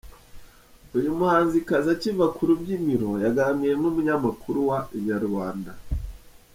Uyu muhanzikazi akiva ku rubyiniro yaganiriye n’umunyamakuru wa Inyarwanda.